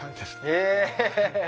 え。